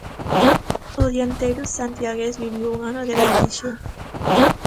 O dianteiro santiagués viviu un ano de vertixe.